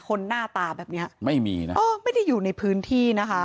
หน้าตาแบบเนี้ยไม่มีนะเออไม่ได้อยู่ในพื้นที่นะคะ